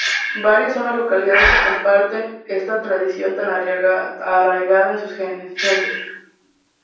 Varias son las localidades que comparten esta tradición tan arraigada en sus gentes.